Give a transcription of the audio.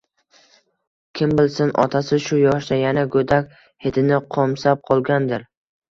Kim bilsin, otasi shu yoshda yana go`dak hidini qo`msab qolgandir